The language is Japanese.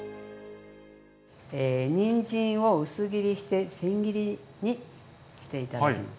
にんじんを薄切りして千切りにして頂きます。